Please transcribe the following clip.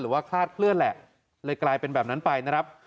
คลาดเคลื่อนแหละเลยกลายเป็นแบบนั้นไปนะครับ